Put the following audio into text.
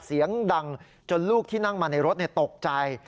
เสียงดังจนลูกที่นั่งมาในรถตกใจ